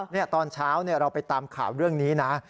นี่ตอนเช้าเราไปตามข่าวเรื่องนี้นะ